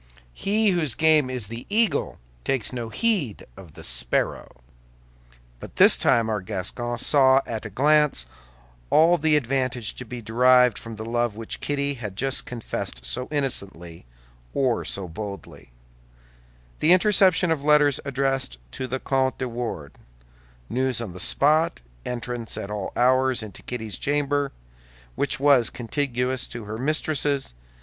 He whose game is the eagle takes no heed of the sparrow. But this time our Gascon saw at a glance all the advantage to be derived from the love which Kitty had just confessed so innocently, or so boldly: the interception of letters addressed to the Comte de Wardes, news on the spot, entrance at all hours into Kitty's chamber, which was contiguous to her mistress's.